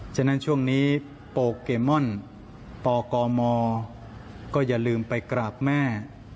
ฉะนั้นช่วงนี้โปเกมอนปกมก็อย่าลืมไปกราบแม่